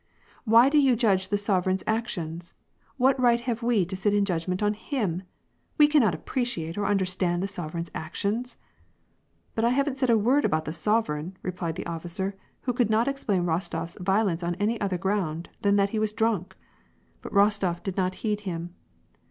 " Why do you judge the sovereign's actions ? What right have we to sit in judgment on him ? We cannot appreciate or under stand the sovereign's actions !"" But I haven't said a word about the sovereign/' replied the officer, who could not explain Rostof 's violence on any other ground than that he was drunk. But Rostof did not heed him.